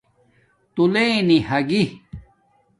تُولنی ھاگی